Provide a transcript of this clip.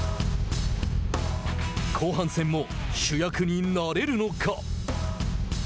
後半戦も主役になれるのか。